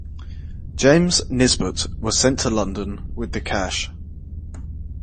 James Nisbet was sent to London with the cash.